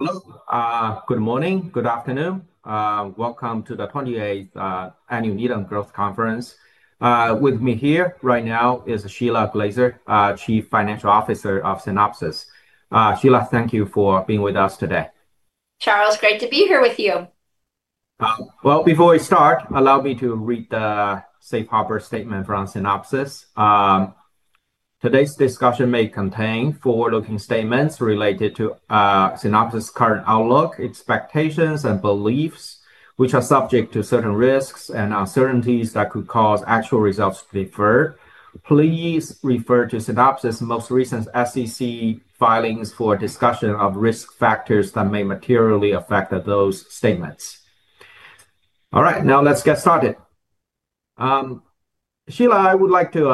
Hello. Good morning. Good afternoon. Welcome to the 28th Annual Needham Growth Conference. With me here right now is Shelagh Glaser, Chief Financial Officer of Synopsys. Shelagh, thank you for being with us today. Charles, great to be here with you. Before we start, allow me to read the safe harbor statement from Synopsys. Today's discussion may contain forward-looking statements related to Synopsys' current outlook, expectations, and beliefs, which are subject to certain risks and uncertainties that could cause actual results to differ. Please refer to Synopsys' most recent SEC filings for discussion of risk factors that may materially affect those statements. All right, now let's get started. Shelagh, I would like to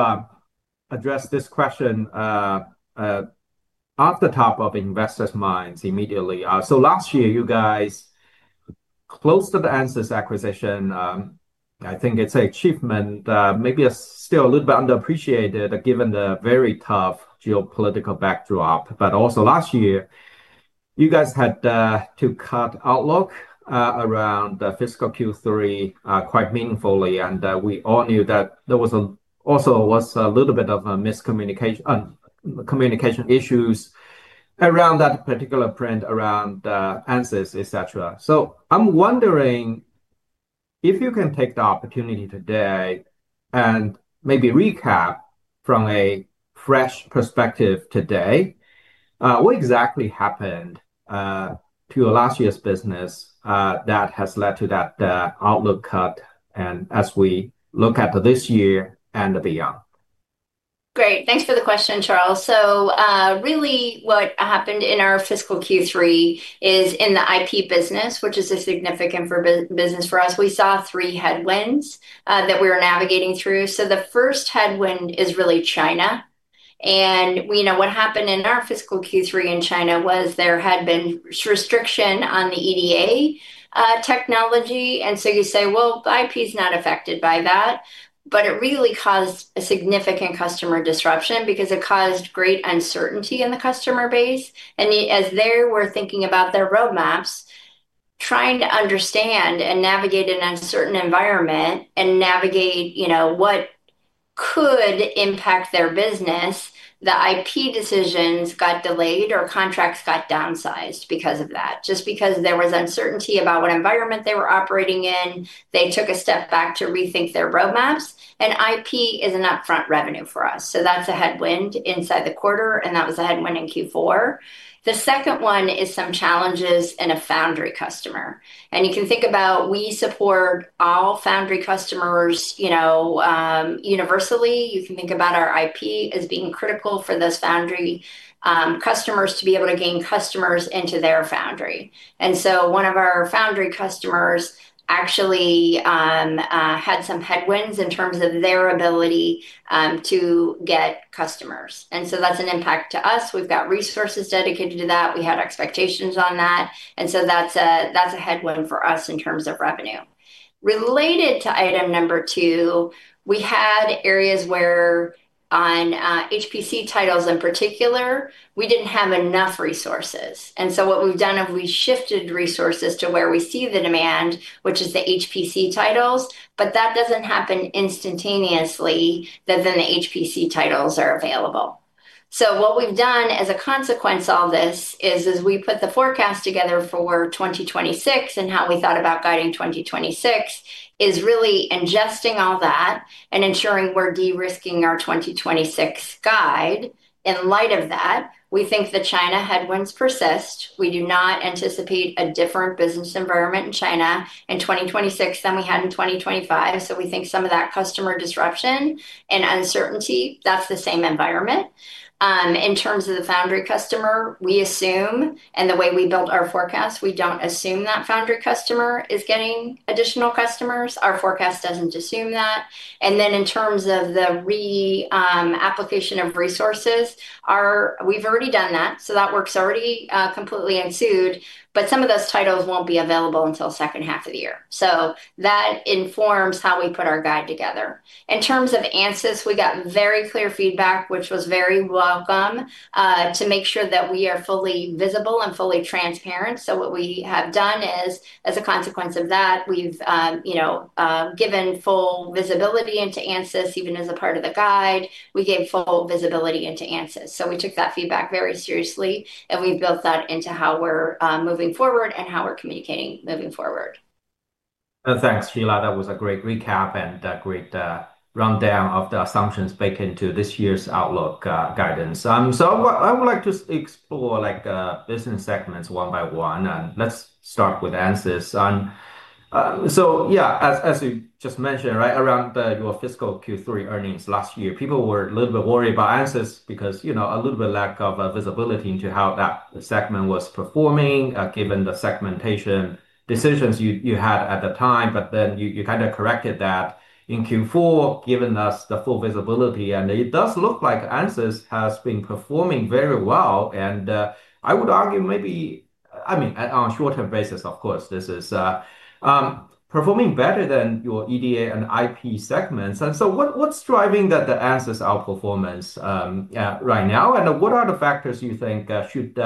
address this question off the top of investors' minds immediately. So last year, you guys closed the Ansys acquisition. I think it's an achievement, maybe still a little bit underappreciated given the very tough geopolitical backdrop. But also last year, you guys had to cut outlook around the fiscal Q3 quite meaningfully. And we all knew that there was also a little bit of miscommunication issues around that particular print around Ansys, et cetera. I'm wondering if you can take the opportunity today and maybe recap from a fresh perspective today what exactly happened to last year's business that has led to that outlook cut as we look at this year and beyond. Great. Thanks for the question, Charles. Really what happened in our fiscal Q3 is in the IP business, which is a significant business for us. We saw three headwinds that we were navigating through. The first headwind is really China. What happened in our fiscal Q3 in China was there had been restrictions on the EDA technology. You say, well, IP is not affected by that. But it really caused a significant customer disruption because it caused great uncertainty in the customer base. As they were thinking about their roadmaps, trying to understand and navigate an uncertain environment and navigate what could impact their business, the IP decisions got delayed or contracts got downsized because of that. Just because there was uncertainty about what environment they were operating in, they took a step back to rethink their roadmaps. IP is an upfront revenue for us. That's a headwind inside the quarter. That was a headwind in Q4. The second one is some challenges in a foundry customer. You can think about we support all foundry customers universally. You can think about our IP as being critical for those foundry customers to be able to gain customers into their foundry. One of our foundry customers actually had some headwinds in terms of their ability to get customers. That's an impact to us. We've got resources dedicated to that. We had expectations on that. That's a headwind for us in terms of revenue. Related to item number two, we had areas where on HPC titles in particular, we didn't have enough resources. And so what we've done is we shifted resources to where we see the demand, which is the HPC titles. But that doesn't happen instantaneously that then the HPC titles are available. So what we've done as a consequence of this is we put the forecast together for 2026 and how we thought about guiding 2026 is really ingesting all that and ensuring we're de-risking our 2026 guide. In light of that, we think the China headwinds persist. We do not anticipate a different business environment in China in 2026 than we had in 2025. So we think some of that customer disruption and uncertainty, that's the same environment. In terms of the foundry customer, we assume and the way we built our forecast, we don't assume that foundry customer is getting additional customers. Our forecast doesn't assume that. And then in terms of the re-application of resources, we've already done that. So that work's already completely ensued. But some of those titles won't be available until the second half of the year. So that informs how we put our guide together. In terms of Ansys, we got very clear feedback, which was very welcome to make sure that we are fully visible and fully transparent. So what we have done is as a consequence of that, we've given full visibility into Ansys even as a part of the guide. We gave full visibility into Ansys. So we took that feedback very seriously. And we've built that into how we're moving forward and how we're communicating moving forward. Thanks, Shelagh. That was a great recap and a great rundown of the assumptions baked into this year's outlook guidance. So I would like to explore business segments one by one. And let's start with Ansys. So yeah, as you just mentioned, right around your fiscal Q3 earnings last year, people were a little bit worried about Ansys because a little bit lack of visibility into how that segment was performing given the segmentation decisions you had at the time. But then you kind of corrected that in Q4, giving us the full visibility. And it does look like Ansys has been performing very well. And I would argue maybe, I mean, on a short-term basis, of course, this is performing better than your EDA and IP segments. And so what's driving the Ansys outperformance right now? What are the factors you think should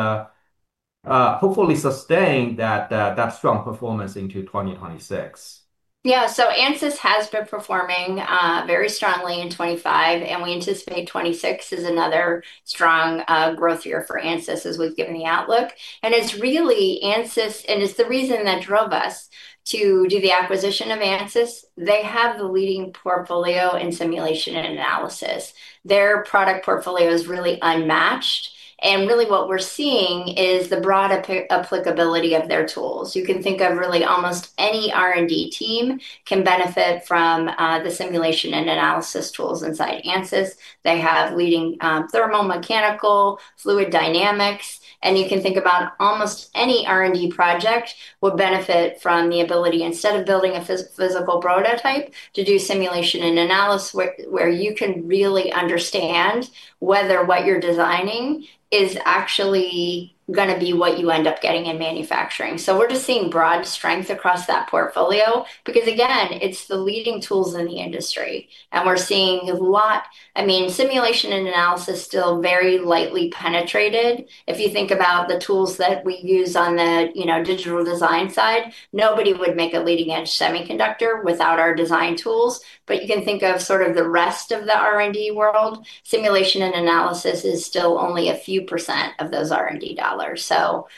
hopefully sustain that strong performance into 2026? Yeah, so Ansys has been performing very strongly in 2025, and we anticipate 2026 is another strong growth year for Ansys as we've given the outlook. It's really Ansys, and it's the reason that drove us to do the acquisition of Ansys. They have the leading portfolio in simulation and analysis. Their product portfolio is really unmatched, and really what we're seeing is the broad applicability of their tools. You can think of really almost any R&D team can benefit from the simulation and analysis tools inside Ansys. They have leading thermal, mechanical, fluid dynamics, and you can think about almost any R&D project will benefit from the ability, instead of building a physical prototype, to do simulation and analysis where you can really understand whether what you're designing is actually going to be what you end up getting in manufacturing. So we're just seeing broad strength across that portfolio because, again, it's the leading tools in the industry. And we're seeing a lot, I mean, simulation and analysis still very lightly penetrated. If you think about the tools that we use on the digital design side, nobody would make a leading-edge semiconductor without our design tools. But you can think of sort of the rest of the R&D world. Simulation and analysis is still only a few % of those R&D dollars. So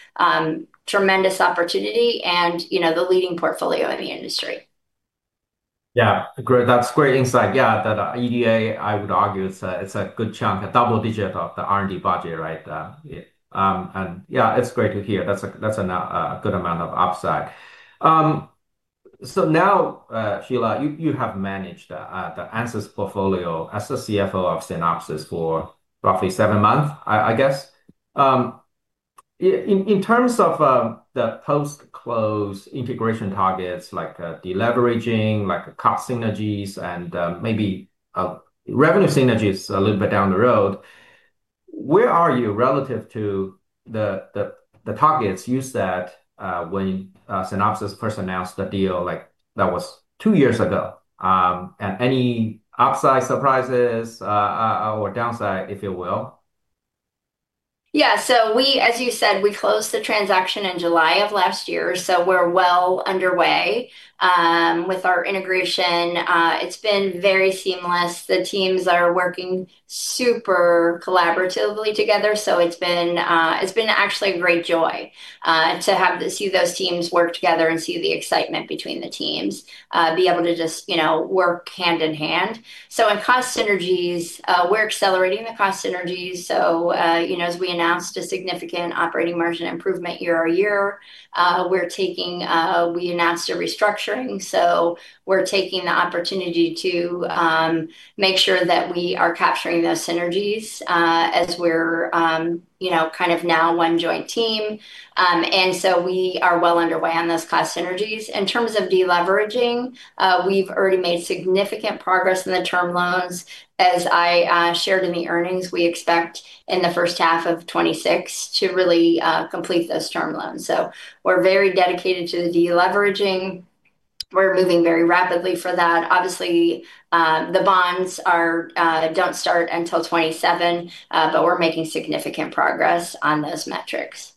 tremendous opportunity and the leading portfolio in the industry. Yeah. That's great insight. Yeah. That EDA, I would argue it's a good chunk, a double-digit of the R&D budget, right? And yeah, it's great to hear. That's a good amount of upside. So now, Shelagh, you have managed the Ansys portfolio as the CFO of Synopsys for roughly seven months, I guess. In terms of the post-close integration targets, like deleveraging, like cost synergies, and maybe revenue synergies a little bit down the road, where are you relative to the targets you set when Synopsys first announced the deal that was two years ago? And any upside surprises or downside, if you will? Yeah. So as you said, we closed the transaction in July of last year. So we're well underway with our integration. It's been very seamless. The teams are working super collaboratively together. So it's been actually a great joy to see those teams work together and see the excitement between the teams, be able to just work hand in hand. So in cost synergies, we're accelerating the cost synergies. So as we announced a significant operating margin improvement year-over-year, we announced a restructuring. So we're taking the opportunity to make sure that we are capturing those synergies as we're kind of now one joint team. And so we are well underway on those cost synergies. In terms of deleveraging, we've already made significant progress in the term loans. As I shared in the earnings, we expect in the first half of 2026 to really complete those term loans. We're very dedicated to the deleveraging. We're moving very rapidly for that. Obviously, the bonds don't start until 2027, but we're making significant progress on those metrics.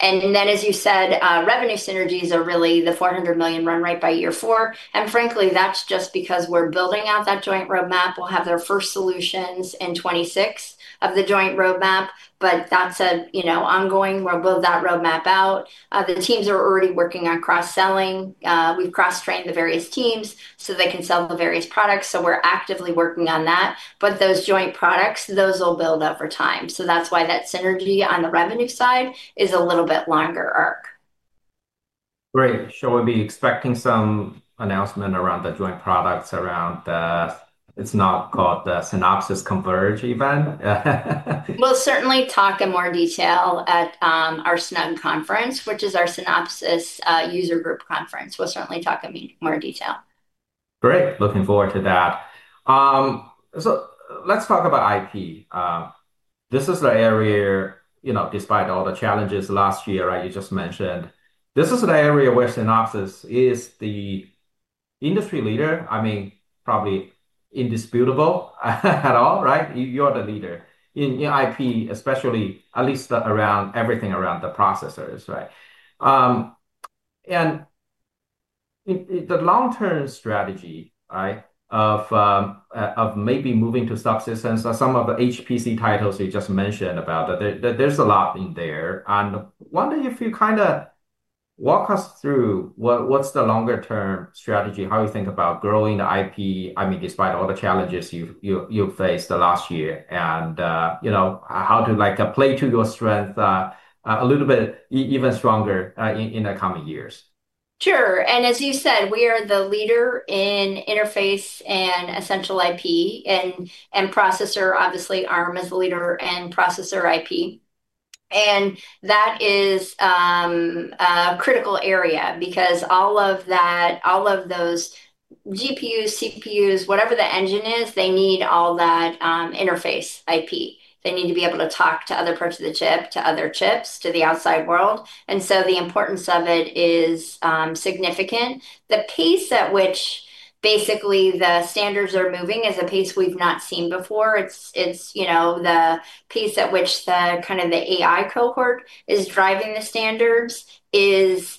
And then, as you said, revenue synergies are really the $400 million run rate by year four. And frankly, that's just because we're building out that joint roadmap. We'll have their first solutions in 2026 of the joint roadmap. But that's an ongoing, we'll build that roadmap out. The teams are already working on cross-selling. We've cross-trained the various teams so they can sell the various products. So we're actively working on that. But those joint products, those will build over time. So that's why that synergy on the revenue side is a little bit longer arc. Great. So we'll be expecting some announcement around the joint products around the, it's not called the Synopsys Converge event. We'll certainly talk in more detail at our SNUG conference, which is our Synopsys user group conference. We'll certainly talk in more detail. Great. Looking forward to that. So let's talk about IP. This is the area, despite all the challenges last year, right, you just mentioned. This is the area where Synopsys is the industry leader, I mean, probably indisputable at all, right? You're the leader in IP, especially at least around everything around the processors, right? And the long-term strategy, right, of maybe moving to subsystems or some of the HPC titles you just mentioned about, there's a lot in there. And I wonder if you kind of walk us through what's the longer-term strategy, how you think about growing the IP, I mean, despite all the challenges you've faced the last year, and how to play to your strength a little bit even stronger in the coming years. Sure. And as you said, we are the leader in interface and essential IP and processor. Obviously, Arm is the leader in processor IP. And that is a critical area because all of those GPUs, CPUs, whatever the engine is, they need all that interface IP. They need to be able to talk to other parts of the chip, to other chips, to the outside world. And so the importance of it is significant. The pace at which basically the standards are moving is a pace we've not seen before. The pace at which kind of the AI cohort is driving the standards is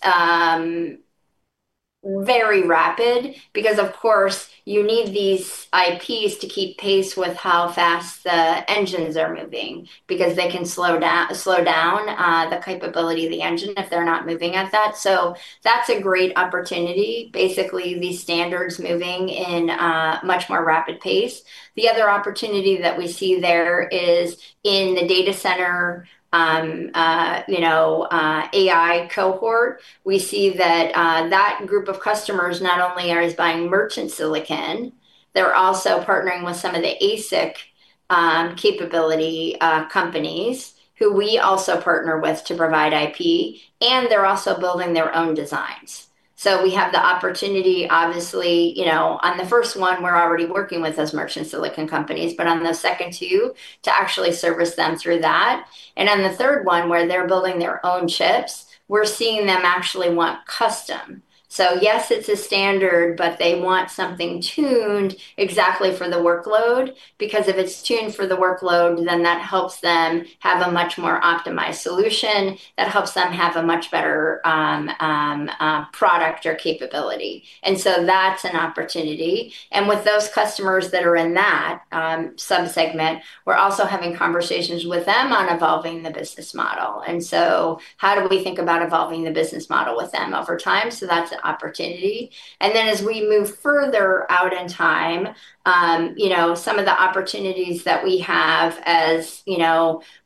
very rapid because, of course, you need these IPs to keep pace with how fast the engines are moving because they can slow down the capability of the engine if they're not moving at that. So that's a great opportunity, basically these standards moving in a much more rapid pace. The other opportunity that we see there is in the data center AI cohort. We see that that group of customers not only are buying merchant silicon, they're also partnering with some of the ASIC capability companies who we also partner with to provide IP. And they're also building their own designs. So we have the opportunity, obviously, on the first one, we're already working with those merchant silicon companies, but on the second two, to actually service them through that. And on the third one, where they're building their own chips, we're seeing them actually want custom. So yes, it's a standard, but they want something tuned exactly for the workload. Because if it's tuned for the workload, then that helps them have a much more optimized solution that helps them have a much better product or capability, and so that's an opportunity, and with those customers that are in that subsegment, we're also having conversations with them on evolving the business model, and so how do we think about evolving the business model with them over time, so that's an opportunity, and then as we move further out in time, some of the opportunities that we have as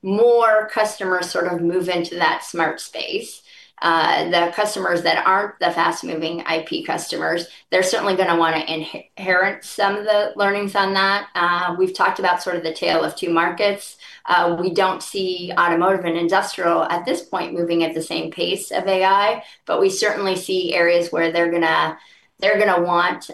more customers sort of move into that smart space, the customers that aren't the fast-moving IP customers, they're certainly going to want to inherit some of the learnings on that. We've talked about sort of the tale of two markets. We don't see automotive and industrial at this point moving at the same pace of AI, but we certainly see areas where they're going to want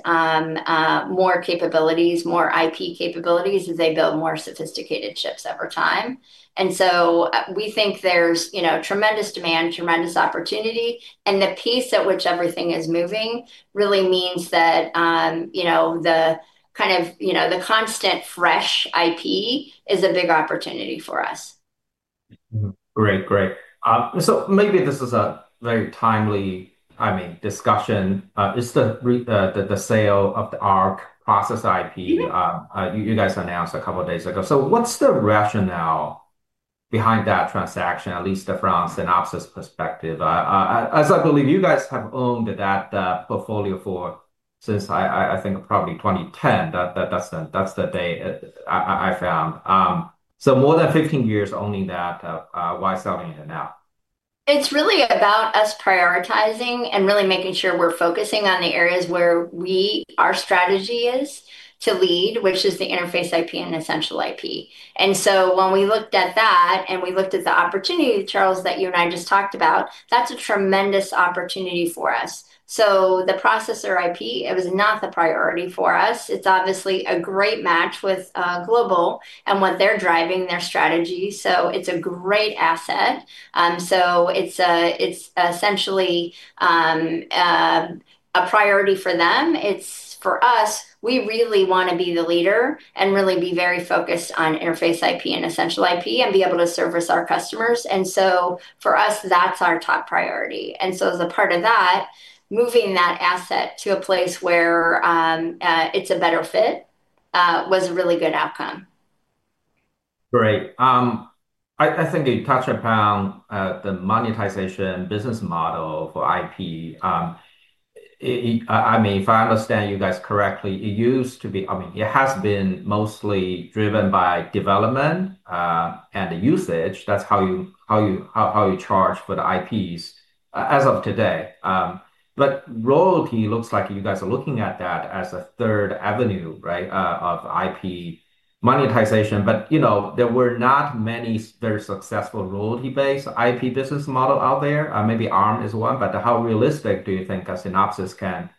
more capabilities, more IP capabilities as they build more sophisticated chips over time. And so we think there's tremendous demand, tremendous opportunity. And the pace at which everything is moving really means that the kind of constant fresh IP is a big opportunity for us. Great. Great. So maybe this is a very timely, I mean, discussion. It's the sale of the ARC processor IP you guys announced a couple of days ago. So what's the rationale behind that transaction, at least from Synopsys' perspective? As I believe you guys have owned that portfolio for since, I think, probably 2010. That's the date I found. So more than 15 years owning that, why selling it now? It's really about us prioritizing and really making sure we're focusing on the areas where our strategy is to lead, which is the interface IP and essential IP. And so when we looked at that and we looked at the opportunity, Charles, that you and I just talked about, that's a tremendous opportunity for us. So the processor IP, it was not the priority for us. It's obviously a great match with Global and what they're driving their strategy. So it's a great asset. So it's essentially a priority for them. For us, we really want to be the leader and really be very focused on interface IP and essential IP and be able to service our customers. And so for us, that's our top priority. And so as a part of that, moving that asset to a place where it's a better fit was a really good outcome. Great. I think you touched upon the monetization business model for IP. I mean, if I understand you guys correctly, it used to be, I mean, it has been mostly driven by development and the usage. That's how you charge for the IPs as of today. But royalty looks like you guys are looking at that as a third avenue, right, of IP monetization. But there were not many very successful royalty-based IP business model out there. Maybe ARM is one. But how realistic do you think Synopsys can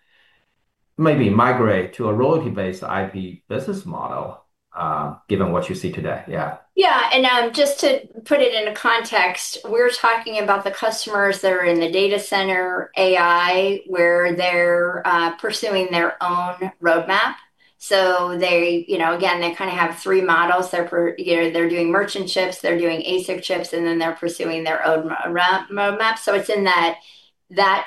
maybe migrate to a royalty-based IP business model given what you see today? Yeah. Yeah. And just to put it in context, we're talking about the customers that are in the data center AI where they're pursuing their own roadmap. So again, they kind of have three models. They're doing merchant chips, they're doing ASIC chips, and then they're pursuing their own roadmap. So it's in that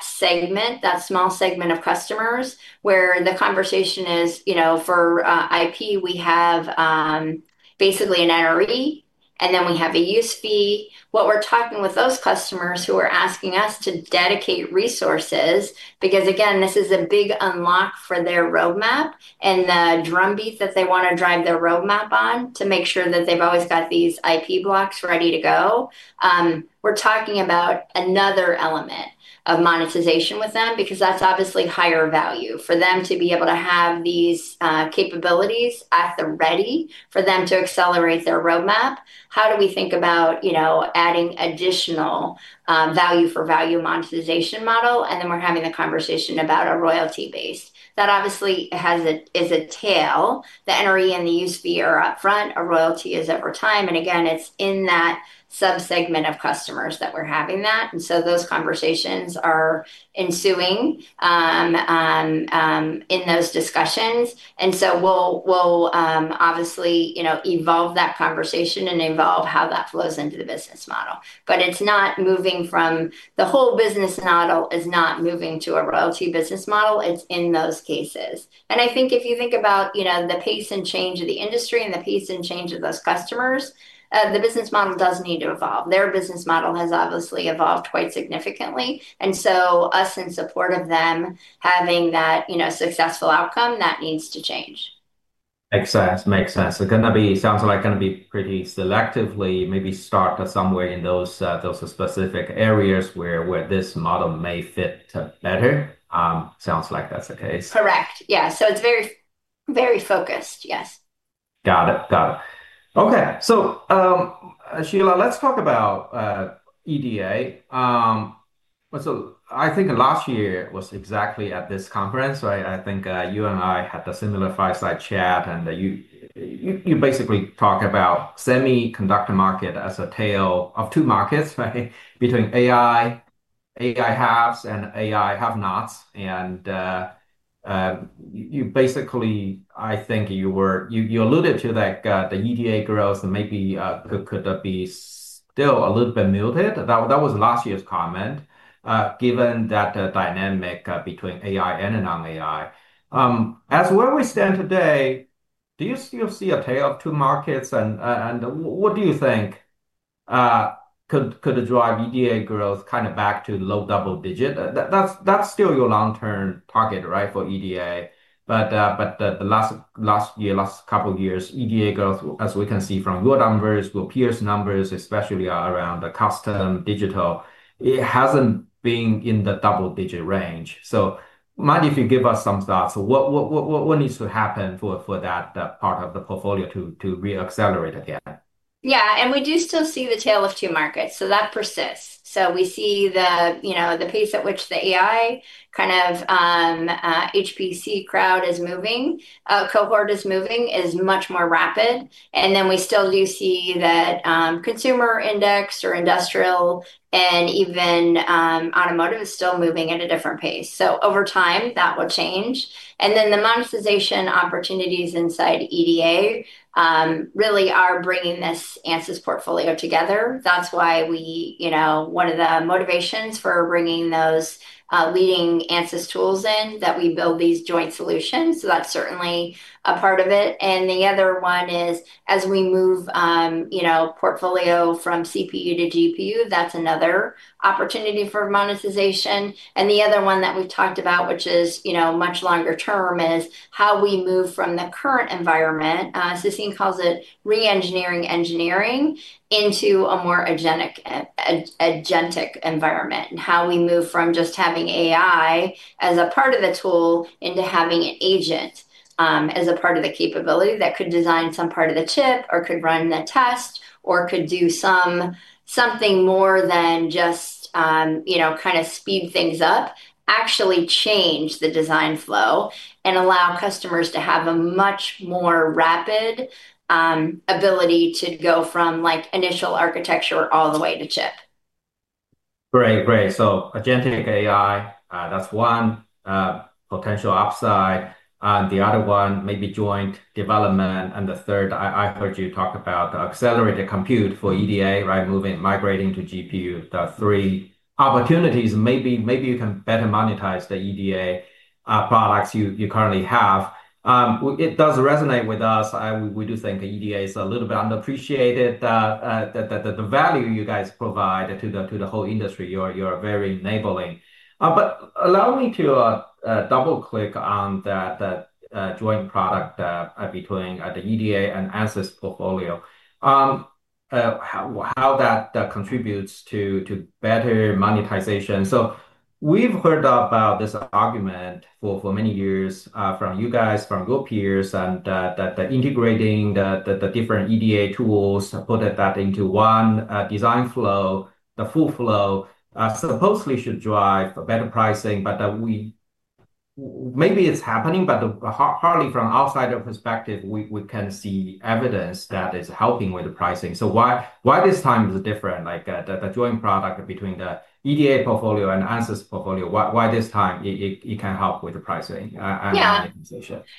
segment, that small segment of customers where the conversation is for IP. We have basically an NRE, and then we have a use fee. What we're talking with those customers who are asking us to dedicate resources because, again, this is a big unlock for their roadmap and the drumbeat that they want to drive their roadmap on to make sure that they've always got these IP blocks ready to go. We're talking about another element of monetization with them because that's obviously higher value for them to be able to have these capabilities at the ready for them to accelerate their roadmap. How do we think about adding additional value-for-value monetization model, and then we're having the conversation about a royalty base that obviously is a tail. The NRE and the use fee are upfront. A royalty is over time, and again, it's in that subsegment of customers that we're having that, and so those conversations are ensuing in those discussions, and so we'll obviously evolve that conversation and evolve how that flows into the business model, but it's not moving from the whole business model is not moving to a royalty business model. It's in those cases. I think if you think about the pace and change of the industry and the pace and change of those customers, the business model does need to evolve. Their business model has obviously evolved quite significantly. So us in support of them having that successful outcome, that needs to change. Makes sense. Makes sense. It sounds like it's going to be pretty selectively maybe start somewhere in those specific areas where this model may fit better. Sounds like that's the case. Correct. Yeah. So it's very focused. Yes. Got it. Got it. Okay. So Shelagh, let's talk about EDA. So I think last year was exactly at this conference. I think you and I had a similar fireside chat, and you basically talk about semiconductor market as a tale of two markets, right, between AI haves and AI have-nots. And you basically, I think you alluded to the EDA growth and maybe could be still a little bit muted. That was last year's comment, given that dynamic between AI and non-AI. And where we stand today, do you still see a tale of two markets? And what do you think could drive EDA growth kind of back to low double digit? That's still your long-term target, right, for EDA. But the last year, last couple of years, EDA growth, as we can see from your numbers, your peers' numbers, especially around the custom digital, it hasn't been in the double-digit range. So mind if you give us some thoughts? What needs to happen for that part of the portfolio to reaccelerate again? Yeah, and we do still see the tale of two markets. So that persists. So we see the pace at which the AI kind of HPC crowd is moving, cohort is moving, is much more rapid. And then we still do see that consumer index or industrial and even automotive is still moving at a different pace. So over time, that will change. And then the monetization opportunities inside EDA really are bringing this Ansys portfolio together. That's why one of the motivations for bringing those leading Ansys tools in, that we build these joint solutions. So that's certainly a part of it. And the other one is as we move portfolio from CPU to GPU, that's another opportunity for monetization. And the other one that we've talked about, which is much longer term, is how we move from the current environment. Sassine calls it re-engineering engineering into a more agentic environment and how we move from just having AI as a part of the tool into having an agent as a part of the capability that could design some part of the chip or could run the test or could do something more than just kind of speed things up, actually change the design flow, and allow customers to have a much more rapid ability to go from initial architecture all the way to chip. Great. Great. So agentic AI, that's one potential upside. The other one, maybe joint development. And the third, I heard you talk about accelerated compute for EDA, right, moving, migrating to GPU. Three opportunities, maybe you can better monetize the EDA products you currently have. It does resonate with us. We do think EDA is a little bit underappreciated, the value you guys provide to the whole industry. You're very enabling. But allow me to double-click on that joint product between the EDA and Ansys portfolio, how that contributes to better monetization. So we've heard about this argument for many years from you guys, from your peers, and that integrating the different EDA tools, putting that into one design flow, the full flow supposedly should drive better pricing. But maybe it's happening, hardly from an outsider perspective, we can see evidence that is helping with the pricing. So why this time is different? The joint product between the EDA portfolio and Ansys portfolio, why this time it can help with the pricing? Yeah.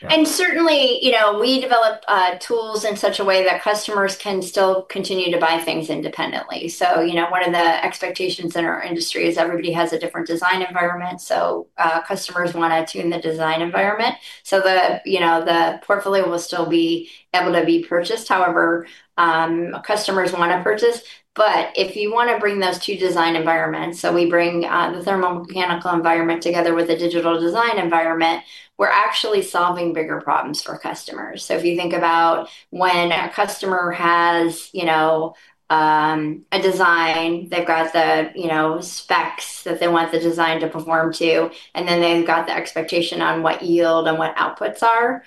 And certainly, we develop tools in such a way that customers can still continue to buy things independently. So one of the expectations in our industry is everybody has a different design environment. So customers want to tune the design environment. So the portfolio will still be able to be purchased. However, customers want to purchase. But if you want to bring those two design environments, so we bring the thermal mechanical environment together with the digital design environment, we're actually solving bigger problems for customers. So if you think about when a customer has a design, they've got the specs that they want the design to perform to, and then they've got the expectation on what yield and what outputs are.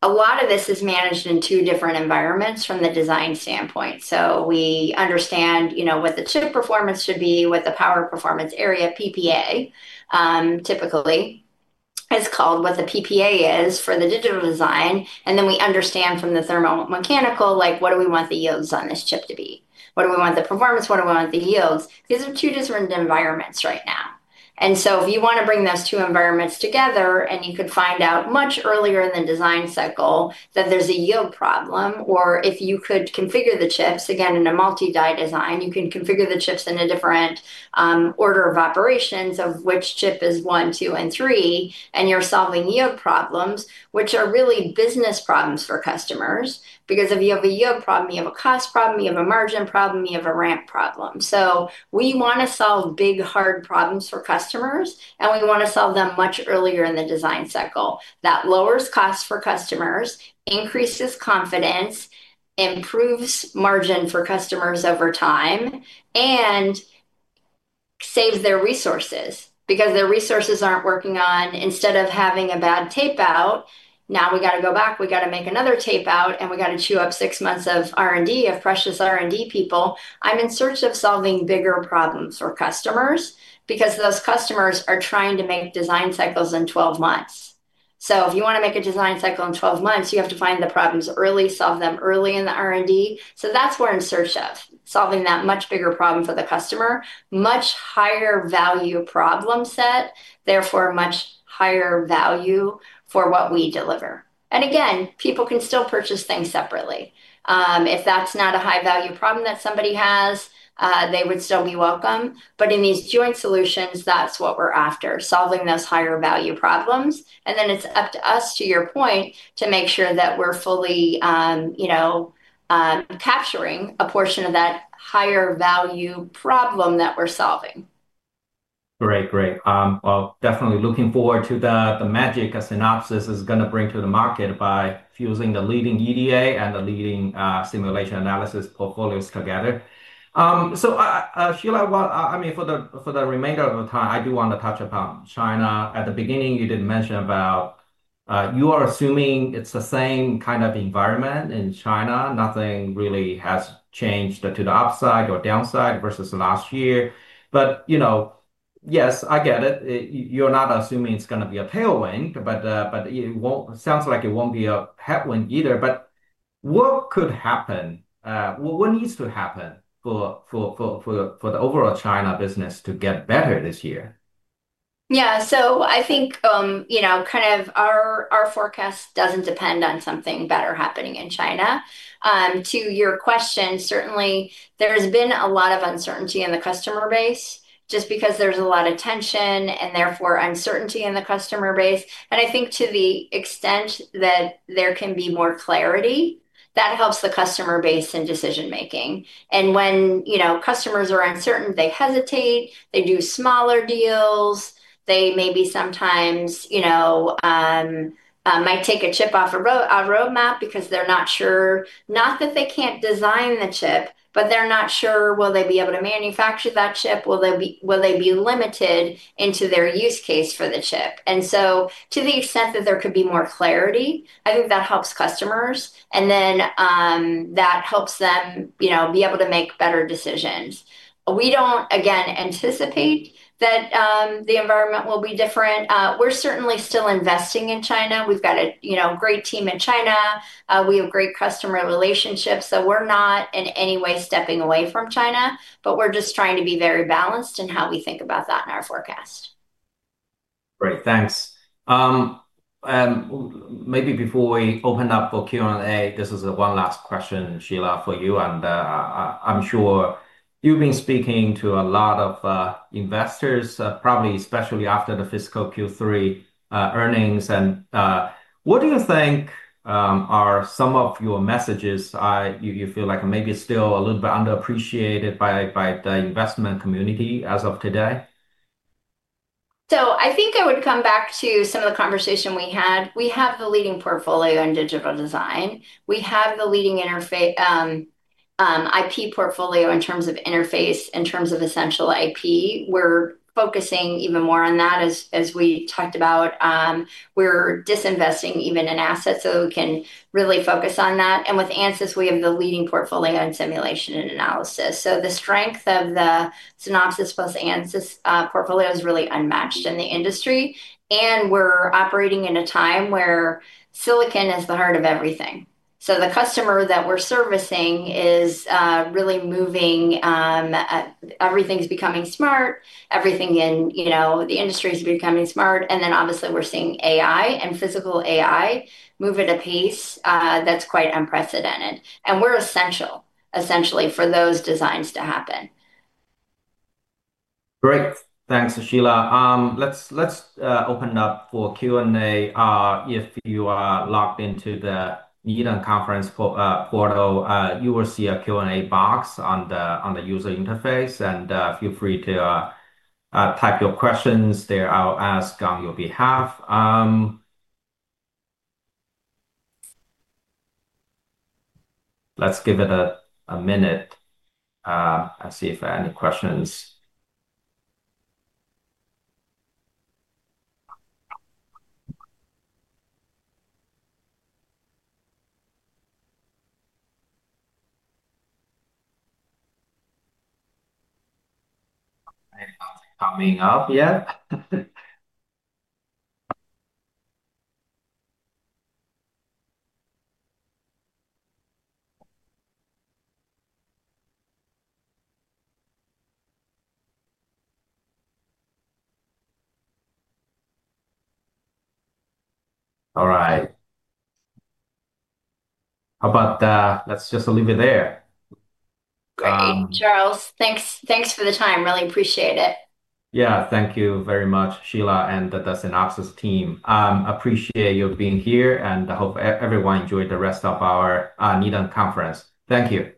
A lot of this is managed in two different environments from the design standpoint. So we understand what the chip performance should be, what the power performance area, PPA, typically is called, what the PPA is for the digital design. And then we understand from the thermal, mechanical, what do we want the yields on this chip to be? What do we want the performance? What do we want the yields? These are two different environments right now. If you want to bring those two environments together, and you could find out much earlier in the design cycle that there's a yield problem, or if you could configure the chips, again, in a multi-die design, you can configure the chips in a different order of operations of which chip is one, two, and three, and you're solving yield problems, which are really business problems for customers because if you have a yield problem, you have a cost problem, you have a margin problem, you have a ramp problem. We want to solve big, hard problems for customers, and we want to solve them much earlier in the design cycle. That lowers costs for customers, increases confidence, improves margin for customers over time, and saves their resources because their resources aren't working on instead of having a bad tape-out, now we got to go back, we got to make another tape-out, and we got to chew up six months of R&D, of precious R&D people. I'm in search of solving bigger problems for customers because those customers are trying to make design cycles in 12 months, so if you want to make a design cycle in 12 months, you have to find the problems early, solve them early in the R&D, so that's what I'm in search of, solving that much bigger problem for the customer, much higher value problem set, therefore much higher value for what we deliver, and again, people can still purchase things separately. If that's not a high-value problem that somebody has, they would still be welcome, but in these joint solutions, that's what we're after, solving those higher-value problems, and then it's up to us, to your point, to make sure that we're fully capturing a portion of that higher-value problem that we're solving. Great. Great. Well, definitely looking forward to the magic Synopsys is going to bring to the market by fusing the leading EDA and the leading simulation analysis portfolios together. So Shelagh, I mean, for the remainder of the time, I do want to touch upon China. At the beginning, you did mention about you are assuming it's the same kind of environment in China. Nothing really has changed to the upside or downside versus last year. But yes, I get it. You're not assuming it's going to be a tailwind, but it sounds like it won't be a headwind either. But what could happen? What needs to happen for the overall China business to get better this year? Yeah, so I think kind of our forecast doesn't depend on something better happening in China. To your question, certainly, there's been a lot of uncertainty in the customer base just because there's a lot of tension and therefore uncertainty in the customer base, and I think to the extent that there can be more clarity, that helps the customer base in decision-making, and when customers are uncertain, they hesitate, they do smaller deals, they maybe sometimes might take a chip off a roadmap because they're not sure, not that they can't design the chip, but they're not sure, will they be able to manufacture that chip? Will they be limited into their use case for the chip? And so to the extent that there could be more clarity, I think that helps customers, and then that helps them be able to make better decisions. We don't, again, anticipate that the environment will be different. We're certainly still investing in China. We've got a great team in China. We have great customer relationships. So we're not in any way stepping away from China, but we're just trying to be very balanced in how we think about that in our forecast. Great. Thanks. And maybe before we open up for Q&A, this is one last question, Shelagh, for you. And I'm sure you've been speaking to a lot of investors, probably especially after the fiscal Q3 earnings. And what do you think are some of your messages you feel like maybe still a little bit underappreciated by the investment community as of today? So I think I would come back to some of the conversation we had. We have the leading portfolio in digital design. We have the leading IP portfolio in terms of interface, in terms of essential IP. We're focusing even more on that, as we talked about. We're disinvesting even in assets so we can really focus on that. And with Ansys, we have the leading portfolio in simulation and analysis. So the strength of the Synopsys plus Ansys portfolio is really unmatched in the industry. And we're operating in a time where silicon is the heart of everything. So the customer that we're servicing is really moving. Everything's becoming smart. Everything in the industry is becoming smart. And then obviously, we're seeing AI and physical AI move at a pace that's quite unprecedented. And we're essential, essentially, for those designs to happen. Great. Thanks, Shelagh. Let's open up for Q&A. If you are logged into the Needham Conference portal, you will see a Q&A box on the user interface. And feel free to type your questions there. I'll ask on your behalf. Let's give it a minute. I see if there are any questions coming up yet. All right. How about let's just leave it there. Great, Charles. Thanks for the time. Really appreciate it. Yeah. Thank you very much, Shelagh, and the Synopsys team. Appreciate your being here, and I hope everyone enjoyed the rest of our Needham Conference. Thank you. Thank you.